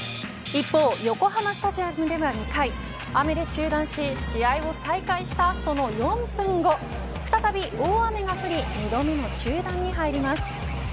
一方、横浜スタジアムでは２回雨で中断し、試合を再開したその４分後再び大雨が降り２度目の中断に入ります。